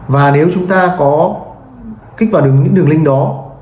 và nếu chúng ta có kích vào được những đường link đó